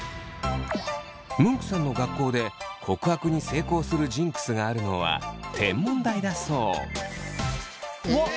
ムンクさんの学校で告白に成功するジンクスがあるのは天文台だそう。